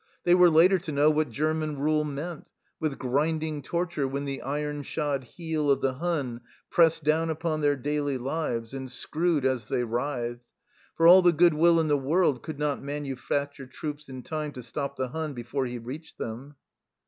They were later to know what German rule meant, with grinding torture when the iron shod heel of the Hun pressed down upon their daily lives, and screwed as they writhed ; for all the good will in the world could not manufacture troops in time to stop the Hun before he reached them.